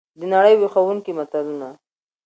دنړۍ ویښوونکي متلونه!